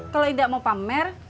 kalo indah mau pamer